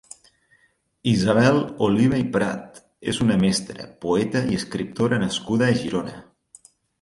Isabel Oliva i Prat és una mestra, poeta i escriptora nascuda a Girona.